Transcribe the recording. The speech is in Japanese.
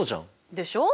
でしょう？